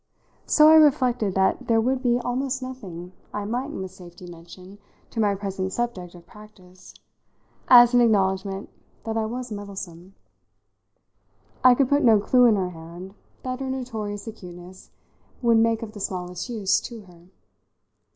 So I reflected that there would be almost nothing I mightn't with safety mention to my present subject of practice as an acknowledgment that I was meddlesome. I could put no clue in her hand that her notorious acuteness would make of the smallest use to her.